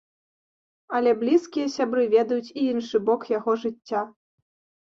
Але блізкія сябры ведаюць і іншы бок яго жыцця.